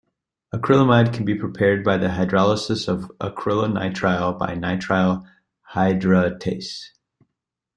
Acrylamide can be prepared by the hydrolysis of acrylonitrile by nitrile hydratase.